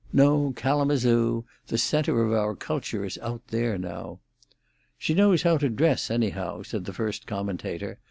"No, Kalamazoo. The centre of culture is out there now." "She knows how to dress, anyhow," said the first commentator.